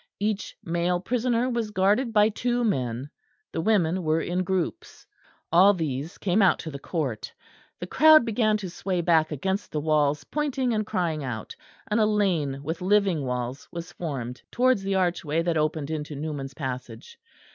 Each male prisoner was guarded by two men; the women were in groups. All these came out to the court. The crowd began to sway back against the walls, pointing and crying out; and a lane with living walls was formed towards the archway that opened into Newman's Passage.